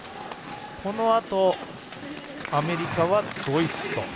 このあと、アメリカはドイツと。